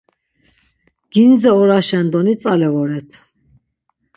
Gindze oraşen doni tzale voret.